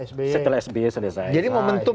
setelah sby selesai jadi momentum